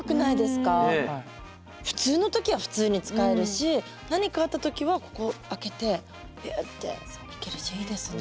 普通の時は普通に使えるし何かあった時はここ開けてピュっていけるしいいですね。